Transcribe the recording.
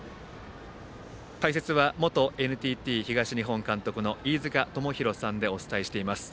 解説は元ＮＴＴ東日本監督の飯塚智広さんでお伝えしています。